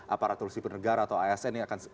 aparatur sipil negara atau asn ini akan